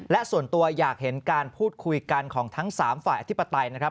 และส่วนตัวอยากเห็นการพูดคุยกันของทั้ง๓ฝ่ายอธิปไตยนะครับ